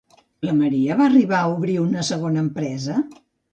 La Maria va arribar a obrir una segona empresa?